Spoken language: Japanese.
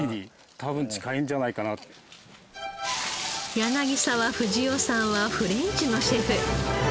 柳沢富二男さんはフレンチのシェフ。